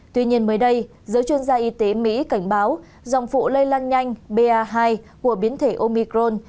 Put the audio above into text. tuy nhiên mới đây giới chuyên gia y tế mỹ cảnh báo dòng vụ lây lan nhanh pa hai của biến thể omicron